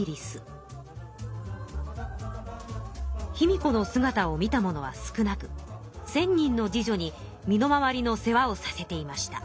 卑弥呼のすがたを見た者は少なく千人の侍女に身の回りの世話をさせていました。